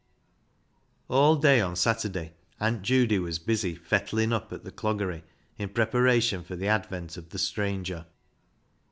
All day on Saturday Aunt Judy was busy " fettlin' up " at the Cloggery in preparation for the advent of the stranger.